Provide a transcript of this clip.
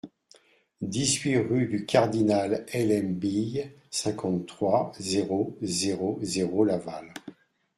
dix-huit rue du Cardinal L.M Bille, cinquante-trois, zéro zéro zéro, Laval